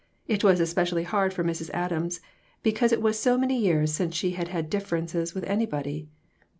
It was especially hard for Mrs. Adams, because it was so many years since she had had differences with anybody.